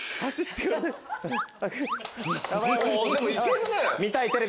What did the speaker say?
でもいけるね。